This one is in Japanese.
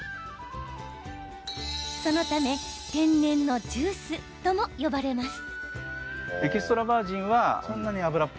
そのため天然のジュースとも呼ばれます。